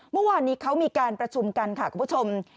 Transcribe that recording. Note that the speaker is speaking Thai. เมื่อวานนี้เขามีการประชุมกันค่ะคุณผู้ชม